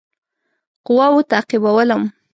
قواوو تعقیبولم.